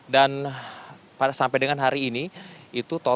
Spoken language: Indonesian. sampai dengan hari ini itu total